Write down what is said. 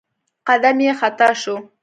قدم يې خطا شو.